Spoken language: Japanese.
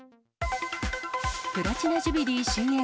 プラチナ・ジュビリー終演。